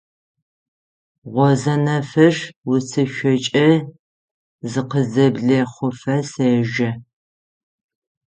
Гъозэнэфыр уцышъокӏэ зыкъызэблехъуфэ сежэ.